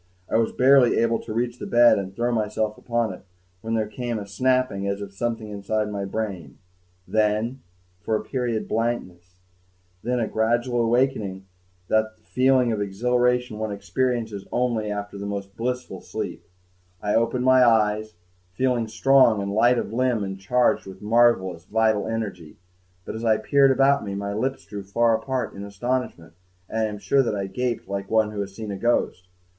I was barely able to reach the bed and throw myself upon it when there came a snapping as of something inside my brain ... then, for a period, blankness ... then a gradual awakening with that feeling of exhilaration one experiences only after the most blissful sleep. I opened my eyes, feeling strong and light of limb and charged with a marvelous vital energy but, as I peered about me, my lips drew far apart in astonishment, and I am sure that I gaped like one who has seen a ghost.